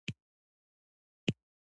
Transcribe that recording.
آیا والي د خلکو ستونزې اوري؟